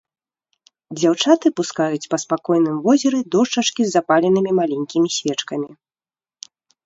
Дзяўчаты пускаюць па спакойным возеры дошчачкі з запаленымі маленькімі свечкамі.